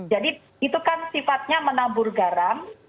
jadi itu kan sifatnya menabur garam